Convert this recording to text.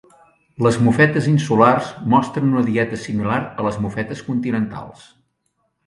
Les mofetes insulars mostren una dieta similar a les mofetes continentals.